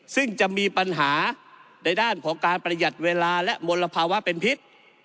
ซึ่งจะมีปัญหาในด้านของการประหยัดเวลาและมลภาวะเป็นพิษ